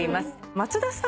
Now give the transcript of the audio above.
松田さん